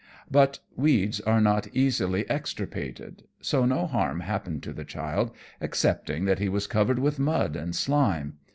But weeds are not easily extirpated; so no harm happened to the child excepting that he was covered with mud and slime.